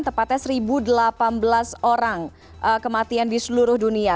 tepatnya satu delapan belas orang kematian di seluruh dunia